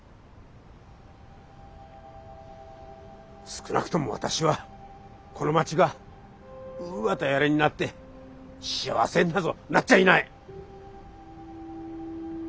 少なくとも私はこの街がウーアとやらになって幸せになぞなっちゃいない！